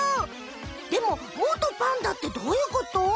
でももとパンダってどういうこと？